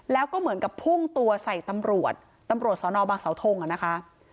แล้วก็เหมือนกับพุ่งตัวใส่ตำรวจตำรวจสอนอบางเสาทงอ่ะนะคะ